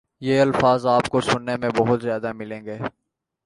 یہ الفاظ آپ کو سنے میں بہت زیادہ ملیں گے